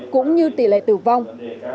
cũng như tỷ lệ tử vong